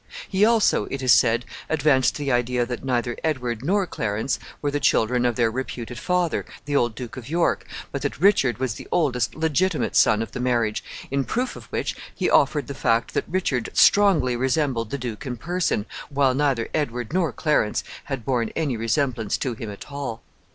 He also, it is said, advanced the idea that neither Edward nor Clarence were the children of their reputed father, the old Duke of York, but that Richard was the oldest legitimate son of the marriage, in proof of which he offered the fact that Richard strongly resembled the duke in person, while neither Edward nor Clarence had borne any resemblance to him at all.